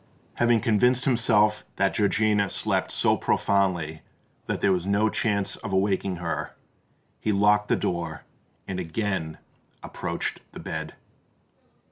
Having convinced himself that Georgiana slept so profoundly that there was no chance of awaking her, he locked the door, and again approached the bed.